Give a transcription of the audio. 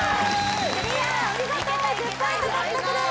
クリアお見事１０ポイント獲得です